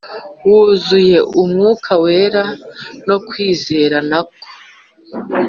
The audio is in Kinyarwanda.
wuzuyeumwuka wera no kwizera na ko.